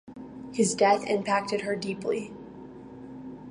His death impacted her deeply.